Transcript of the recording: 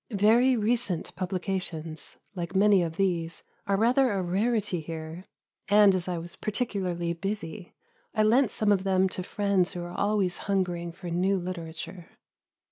Very recent publications, like many of these, are rather a rarity here, and, as I was particularly busy, I lent some of them to friends who are always hungering for new literature.